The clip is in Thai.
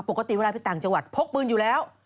ปกติเวลาไปต่างจังหวัดพกปืนอยู่แล้ว